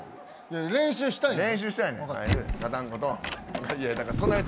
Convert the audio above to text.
練習したいから。